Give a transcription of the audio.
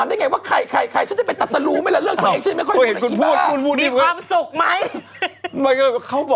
ฮิริบอร์ฮิริบอร์คือเรื่องก็เกิดขึ้นว่าเนี้ยครับ